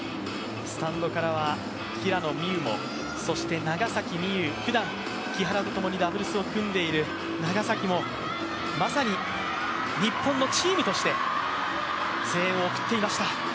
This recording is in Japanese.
スタンドからは平野美宇もそして長崎美柚もふだん木原とともにダブルスを組んでいる長崎も、まさに日本のチームとして声援を送っていました。